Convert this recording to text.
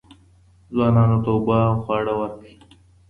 حیواناتو ته اوبه او خواړه ورکړئ.